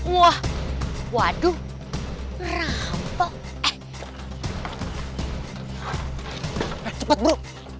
wah waduh rambok eh cepet bro